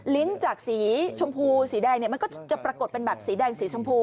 จากสีชมพูสีแดงเนี่ยมันก็จะปรากฏเป็นแบบสีแดงสีชมพู